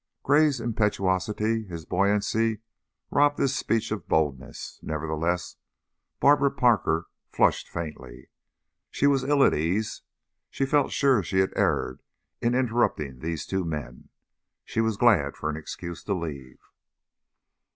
Gray's impetuosity, his buoyancy, robbed his speech of boldness, nevertheless Barbara Parker flushed faintly. She was ill at ease; she felt sure she had erred in interrupting these two men; she was glad of an excuse to leave.